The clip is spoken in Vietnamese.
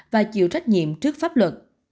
và chịu trách nhiệm trước pháp luật